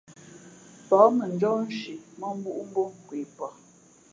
Pα̌h mαnjɔ́h nshi mᾱmbūꞌ mbō nkwe pαh.